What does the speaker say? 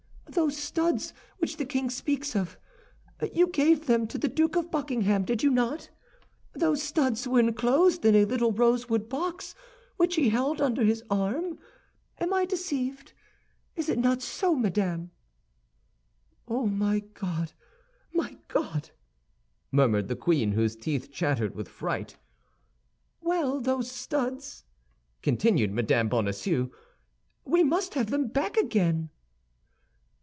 Those studs which the king speaks of, you gave them to the Duke of Buckingham, did you not? Those studs were enclosed in a little rosewood box which he held under his arm? Am I deceived? Is it not so, madame?" "Oh, my God, my God!" murmured the queen, whose teeth chattered with fright. "Well, those studs," continued Mme. Bonacieux, "we must have them back again."